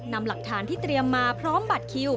นำหลักฐานที่เตรียมมาพร้อมบัตรคิว